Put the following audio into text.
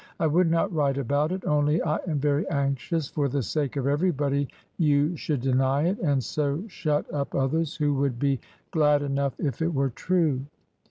I would not write about it, only I am very anxious for the sake of everybody you should deny it, and so shut up others who would be glad enough if it were true.